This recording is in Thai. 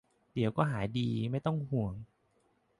เดี๋ยวก็หายดี ไม่ต้องห่วง